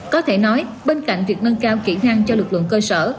có thể nói bên cạnh việc nâng cao kỹ năng cho lực lượng cơ sở